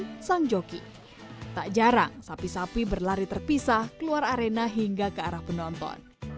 di sang joki tak jarang sapi sapi berlari terpisah keluar arena hingga ke arah penonton